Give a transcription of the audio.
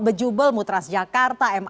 bejubel mutras jakarta mr